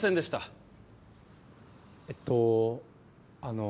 えっとあの。